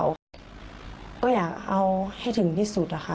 ก็อยากเอาให้ถึงที่สุดอะค่ะ